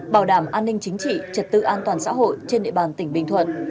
bảo đảm an ninh chính trị trật tự an toàn xã hội trên địa bàn tỉnh bình thuận